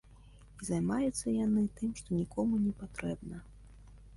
І займаюцца яны тым, што нікому не патрэбна.